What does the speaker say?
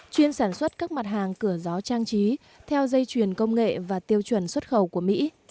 chuyên sản xuất các mặt hàng cửa gió trang trí theo dây chuyền công nghệ và tiêu chuẩn xuất khẩu của mỹ